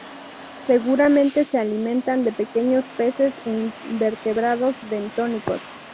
Seguramente se alimentan de pequeños peces e invertebrados bentónicos.